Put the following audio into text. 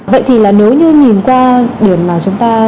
vậy thì là nếu như nhìn qua điểm mà chúng ta